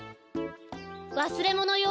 わすれものよ。